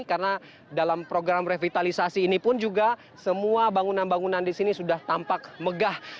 karena dalam program revitalisasi ini pun juga semua bangunan bangunan di sini sudah tampak megah